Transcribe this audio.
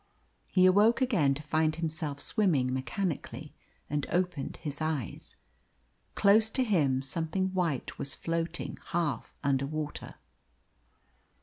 He awoke again to find himself swimming mechanically, and opened his eyes. Close to him something white was floating half under water.